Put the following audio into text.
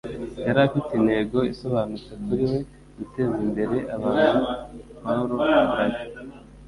Yari afite intego isobanutse kuri we: guteza imbere abantu. ”- Paulo Braga